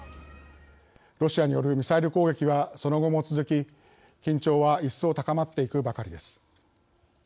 ロシアによるミサイル攻撃はその後も続き、緊張は一層高まっていくばかりです。